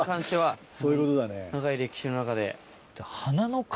長い歴史の中で。